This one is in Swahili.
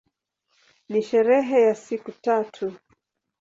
Ni sherehe ya siku tatu.